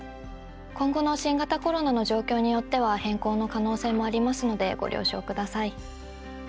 今後の新型コロナの状況によっては変更の可能性もありますのでご了承ください。